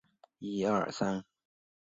蛹体色淡褐且带有淡紫色光泽。